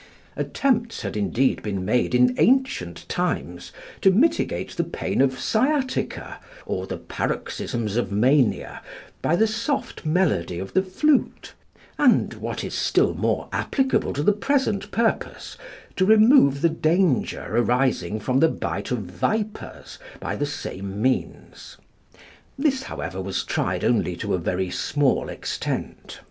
Attempts had indeed been made in ancient times to mitigate the pain of sciatica, or the paroxysms of mania, by the soft melody of the flute, and, what is still more applicable to the present purpose, to remove the danger arising from the bite of vipers by the same means. This, however, was tried only to a very small extent.